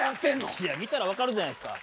いや見たら分かるじゃないですか。